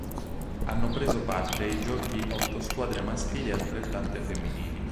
Hanno preso parte ai Giochi otto squadre maschili e altrettante femminili.